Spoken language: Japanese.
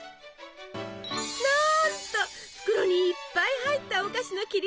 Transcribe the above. なんと袋にいっぱい入ったお菓子の切り落とし！